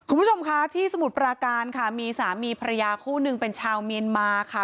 คุณผู้ชมคะที่สมุทรปราการค่ะมีสามีภรรยาคู่หนึ่งเป็นชาวเมียนมาค่ะ